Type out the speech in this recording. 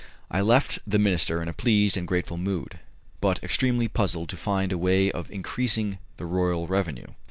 I left the minister in a pleased and grateful mood, but extremely puzzled to find a way of increasing the royal revenue.